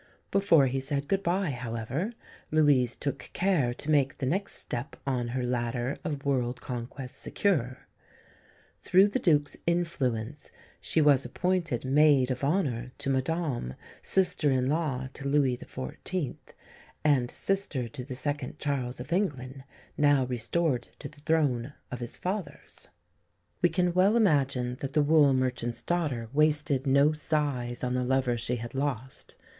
Before he said good bye, however, Louise took care to make the next step on her ladder of world conquest secure. Through the Duc's influence she was appointed maid of honour to Madame, sister in law to Louis XIV., and sister to the second Charles of England, now restored to the throne of his fathers. We can well imagine that the wool merchant's daughter wasted no sighs on the lover she had lost.